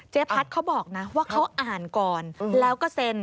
พัฒน์เขาบอกนะว่าเขาอ่านก่อนแล้วก็เซ็น